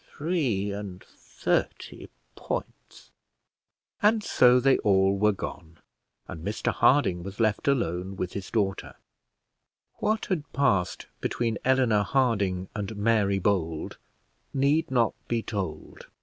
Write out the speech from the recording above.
"three and thirty points!" And so they all were gone, and Mr Harding was left alone with his daughter. What had passed between Eleanor Harding and Mary Bold need not be told.